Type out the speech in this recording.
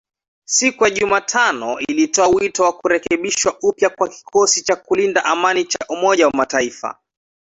Siku ya Jumatano ,alitoa wito wa kurekebishwa upya kwa kikosi cha kulinda amani cha Umoja wa Mataifa